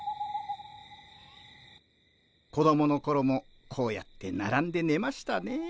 子供の頃もこうやってならんでねましたね。